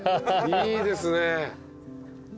いいですね。